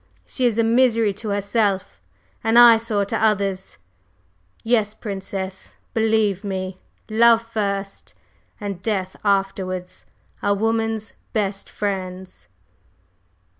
She is a misery to herself and an eyesore to others. Yes, Princess, believe me, Love first, and Death afterwards, are woman's best friends."